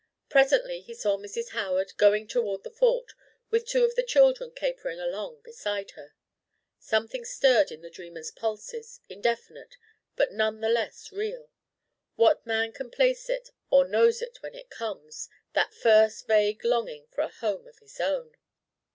Presently he saw Mrs. Howard going toward the Fort, with two of the children capering along beside her. Something stirred in the dreamer's pulses, indefinite, but none the less real. What man can place it, or knows it when it comes that first vague longing for a home of his own?